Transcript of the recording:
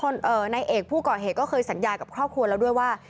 นายเอกผู้ก่อเหตุก็เคยสัญญากับครอบครัวแล้วด้วยว่า